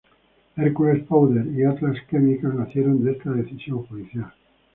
Hercules Powder y Atlas Chemical nacieron de esta decisión judicial.